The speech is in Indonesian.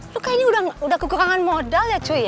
lo kayaknya udah kekurangan modal ya cuy